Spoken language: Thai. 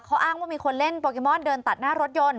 เขาอ้างว่ามีคนเล่นโปเกมอนเดินตัดหน้ารถยนต์